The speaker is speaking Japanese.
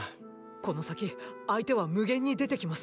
この先相手は無限に出てきます。